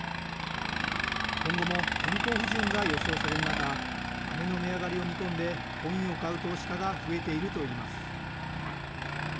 今後も天候不順が予想される中、豆の値上がりを見込んで、コインを買う投資家が増えているといいます。